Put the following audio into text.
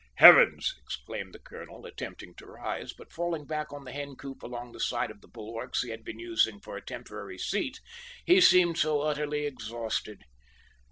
"Heavens!" exclaimed the colonel, attempting to rise, but falling back on the hen coop along the side of the bulwarks he had been using for a temporary seat, he seemed so utterly exhausted.